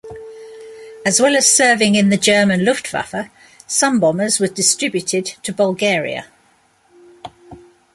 As well as serving in the German "Luftwaffe", some bombers were distributed to Bulgaria.